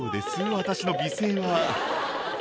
私の美声は」